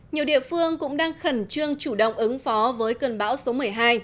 nhiều địa phương cũng đang khẩn trương chủ động ứng phó với cơn bão số một mươi hai